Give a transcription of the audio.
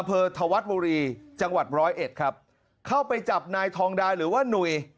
อำเภอธวัดบุรีจังหวัดร้อยเอ็ดครับเข้าไปจับนายทองดาหรือว่าหนุ่ย